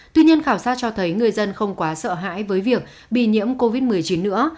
tuy nhiên khảo sát cho thấy người dân không quá sợ hãi với việc bị nhiễm covid một mươi chín nữa